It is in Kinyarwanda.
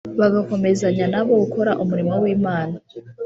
bagakomezanya na bo gukora umurimo w’Imana